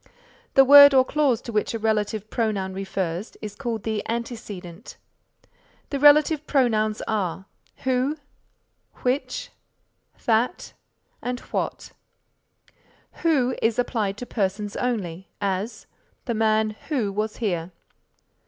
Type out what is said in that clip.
The word or clause to which a relative pronoun refers is called the Antecedent. The Relative Pronouns are who, which, that and what. Who is applied to persons only; as, "The man who was here."